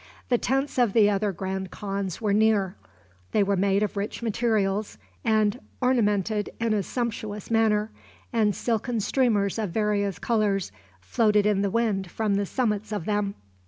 The tents of the other grand khans were near. They were made of rich materials, and ornamented in a sumptuous manner, and silken streamers of various colors floated in the wind from the summits of them.